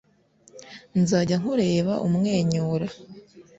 Nzajya nkureba umwenyura